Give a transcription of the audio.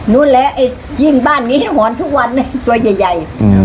นู้นแหละจริงบ้านนี้หอนทุกวันเนี่ยตัวใหญ่